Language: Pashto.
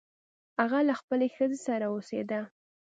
هغه له خپلې ښځې سره اوسیده.